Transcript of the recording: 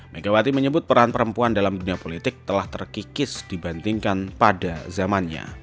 megawati menyebut peran perempuan dalam dunia politik telah terkikis dibandingkan pada zamannya